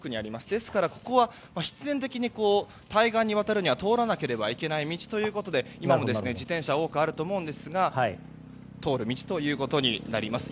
ですから、ここは必然的に対岸に渡るには通らなければいけない道ということで今も自転車が多くあるんですが通る道ということになります。